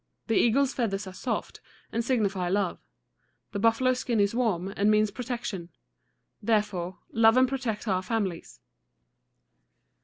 The eagle's feathers are soft, and signify love; the buffalo's skin is warm, and means protection: therefore, love and protect our families."